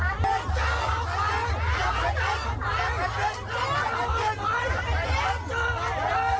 เจ้าของเจ้าชั้นก้าวใกล้วิทยาลัยชั้นก้าวใกล้วิทยาลัย